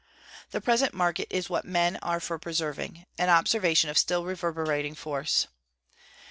The present market is what men are for preserving: an observation of still reverberating force.